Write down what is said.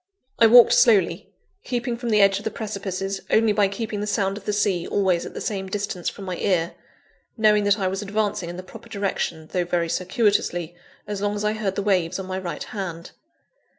I walked slowly, keeping from the edge of the precipices only by keeping the sound of the sea always at the same distance from my ear; knowing that I was advancing in the proper direction, though very circuitously, as long as I heard the waves on my right hand.